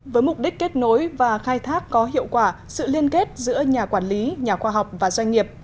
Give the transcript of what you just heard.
với mục đích kết nối và khai thác có hiệu quả sự liên kết giữa nhà quản lý nhà khoa học và doanh nghiệp